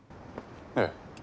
ええ。